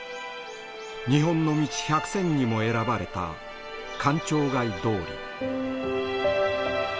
「日本の道１００選」にも選ばれた官庁街通り。